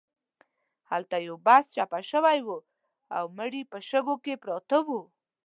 هلته یو بس چپه شوی و او مړي په شګو کې پراته وو.